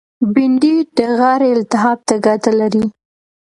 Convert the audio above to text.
بېنډۍ د غاړې التهاب ته ګټه لري